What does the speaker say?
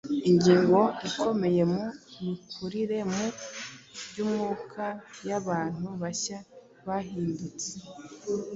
ingingo ikomeye mu mikurire mu by’umwuka y’abantu bashya bahindutse,